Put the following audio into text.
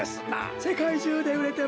せかいじゅうでうれてますぞ。